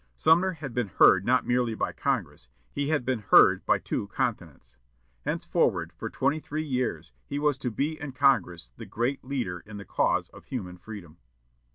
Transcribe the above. Sumner had been heard not merely by Congress; he had been heard by two continents. Henceforward, for twenty three years, he was to be in Congress the great leader in the cause of human freedom.